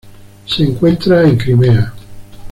Se encuentra en Crimea.